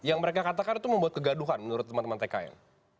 yang mereka katakan itu membuat kegaduhan menurut teman teman tkn